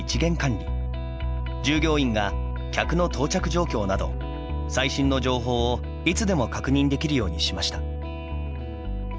従業員が客の到着状況など最新の情報をいつでも確認できるようにしました。